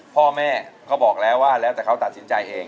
พ่อแม่ก็บอกแล้วว่าแล้วแต่เขาตัดสินใจเอง